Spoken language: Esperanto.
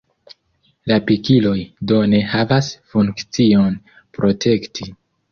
La pikiloj do ne havas funkcion protekti.